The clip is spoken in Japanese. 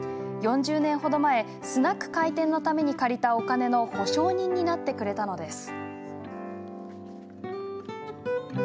４０年程前スナック開店のために借りたお金の保証人になってくれたのです。